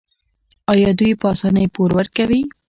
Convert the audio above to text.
آیا دوی په اسانۍ پور ورکوي؟